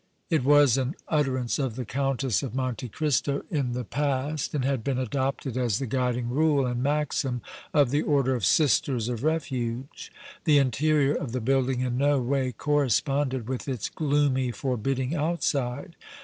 It was an utterance of the Countess of Monte Cristo in the past and had been adopted as the guiding rule and maxim of the Order of Sisters of Refuge. The interior of the building in no way corresponded with its gloomy, forbidding outside.